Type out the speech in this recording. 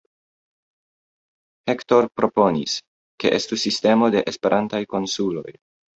Hector proponis, ke estu sistemo de Esperantaj konsuloj.